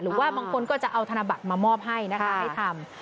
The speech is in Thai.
หรือว่าบางคนก็จะเอาธนบัตรมามอบให้นะคะให้ทำ